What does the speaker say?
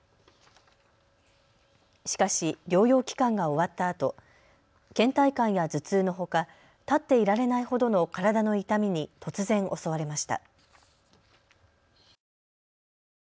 しかし療養期間が終わったあとけん怠感や頭痛のほか立っていられないほどの体の痛みに突然、襲われました。